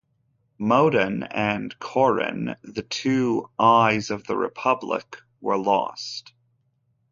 Modon and Coron, the "two eyes of the Republic", were lost.